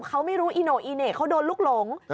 เขาไม่รู้อีโน่อีเหน่เขาโดนลูกหลง